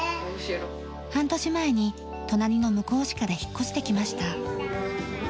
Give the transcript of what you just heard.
半年前に隣の向日市から引っ越してきました。